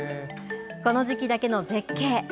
この時期だけの絶景。